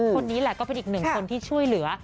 คนนี้แหละก็เป็นอีกหนึ่งคนที่ช่วยเหลือ